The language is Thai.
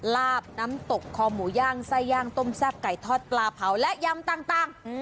ลาบน้ำตกคอหมูย่างไส้ย่างต้มแซ่บไก่ทอดปลาเผาและยำต่าง